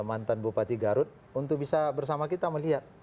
mantan bupati garut untuk bisa bersama kita melihat